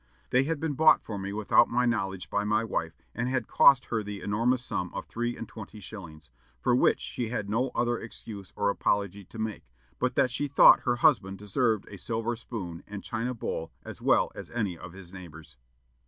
They had been bought for me without my knowledge by my wife, and had cost her the enormous sum of three and twenty shillings! for which she had no other excuse or apology to make, but that she thought her husband deserved a silver spoon and china bowl as well as any of his neighbors."